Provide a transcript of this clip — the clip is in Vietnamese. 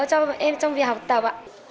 cho bọn em trong việc học tập